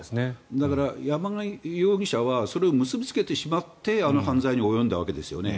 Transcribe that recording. だから、山上容疑者はそれを結びつけてしまってあの犯罪に及んだわけですよね。